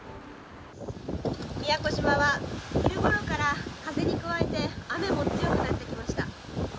宮古島は昼ごろから風に加えて、雨も強くなってきました。